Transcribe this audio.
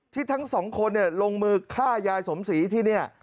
ทั้งสองคนลงมือฆ่ายายสมศรีที่นี่